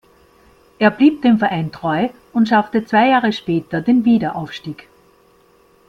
Er blieb dem Verein treu und schaffte zwei Jahre später den Wiederaufstieg.